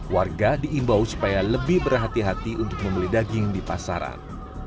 warga diimbau supaya lebih berhati hati untuk membeli daging di pasaran